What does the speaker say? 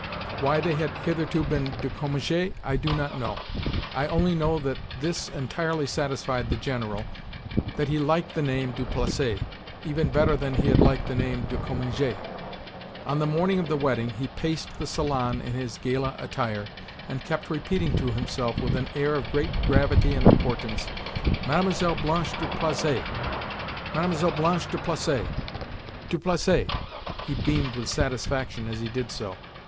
Why they had hitherto been "de Cominges" I do not know—I only know that this entirely satisfied the General, that he liked the name "du Placet" even better than he had liked the name "de Cominges." On the morning of the wedding, he paced the salon in his gala attire and kept repeating to himself with an air of great gravity and importance: "Mlle. Blanche du Placet! Mlle. Blanche du Placet, du Placet!" He beamed with satisfaction as he did so.